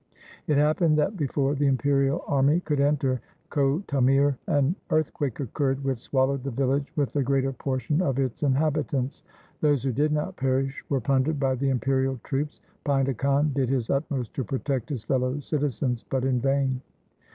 It happened that, before the imperial army could enter Chhotamir, an earthquake occurred which swallowed the village with the greater portion of its inhabitants. Those who did not perish were plundered by the imperial troops. Painda Khan did his utmost to protect his fellow citizens, but in vain.